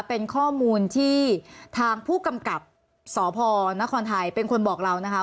เป็นข้อมูลที่ทางผู้กำกับสพนครไทยเป็นคนบอกเรานะคะ